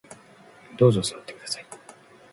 どうぞ座ってください